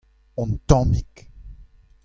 un tammig.